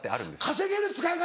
稼げる使い方。